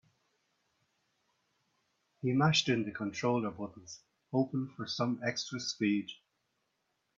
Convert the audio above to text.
He mashed in the controller buttons, hoping for some extra speed.